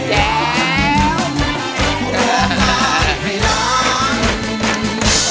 ให้ร้อง